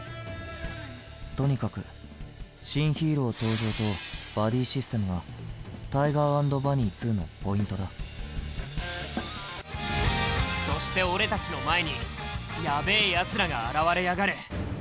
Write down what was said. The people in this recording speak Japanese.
とにかく「新ヒーロー登場」と「バディシステム」が「ＴＩＧＥＲ＆ＢＵＮＮＹ２」のポイントだそして俺たちの前にやべえやつらが現れやがる。